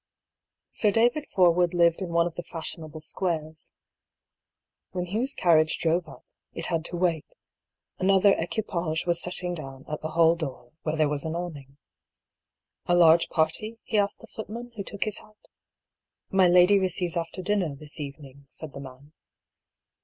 Sir David Forwood lived in one of the fashionable squares. When Hugh's carriage drove up, it had to 194 I>R PAULL'S THEORY. wait — another equipage was " setting down " at the hall door, where there was an awning. " A large party ?" he asked the footman who took his hat. " My lady reoeiyes after dinner, this evening," said the man.